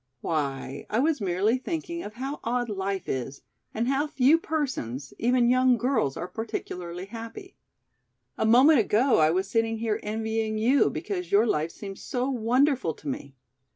"Why, I was merely thinking of how odd life is and how few persons, even young girls are particularly happy. A moment ago I was sitting here envying you because your life seemed so wonderful to me.